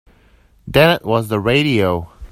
Then it was the radio.